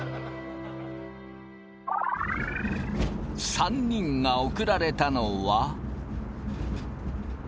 ３人が送られたのは。